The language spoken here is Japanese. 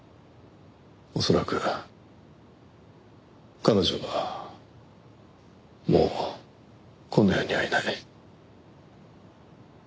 恐らく彼女はもうこの世にはいない。